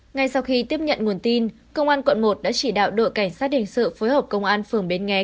ngay sau khi tiếp nhận nguồn tin công an quận một đã chỉ đạo đội cảnh sát hình sự phối hợp công an phường bến nghé